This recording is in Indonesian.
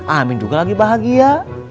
amin juga lagi bahagia